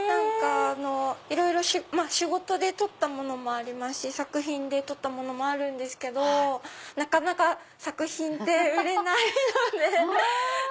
いろいろ仕事で撮ったものもありますし作品で撮ったものもあるんですけどなかなか作品って売れないので。